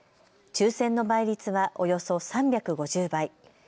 抽せんの倍率はおよそ３５０倍。